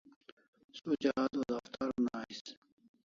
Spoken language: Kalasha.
Suja auda daftar una ais